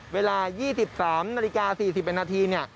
เวลา๒๓นาฬิกา๔๑นาที